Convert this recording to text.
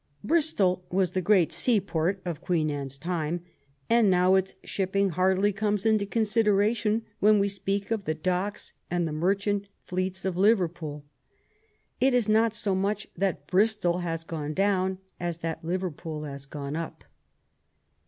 Bristol was the great seaport of Queen Anne's time, and now its shipping hardly comes into consideration when we speak of the docks and the merchant fleets of Liverpool. It is not so much that Bristol has gone down as that Liverpool has gone up.